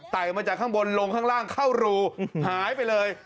มาจากข้างบนลงข้างล่างเข้ารูหายไปเลย